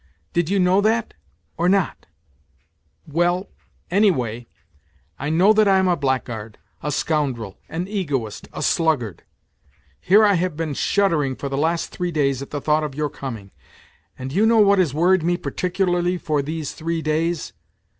Did you know that, or not 1 Well, anyway, I know that I am a blackguard, a scoundrel, an egoist, a sluggard. Here I have been shuddering for the last three days at the thought of your coming. And do you know what has worried me particularly for these three days